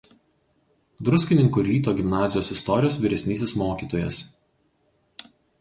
Druskininkų Ryto gimnazijos istorijos vyresnysis mokytojas.